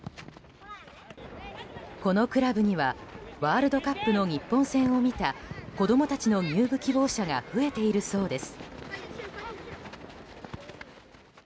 このクラブにはワールドカップの日本戦を見た子供たちの入部希望者が増えているそうです。